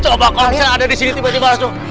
coba kalau misalnya ada di sini tiba tiba langsung